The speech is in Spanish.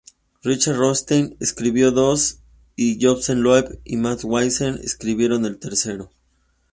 Richard Rothstein escribió dos y Jeph Loeb y Matt Weissman escribieron el tercero.